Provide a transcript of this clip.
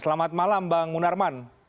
selamat malam bang munarman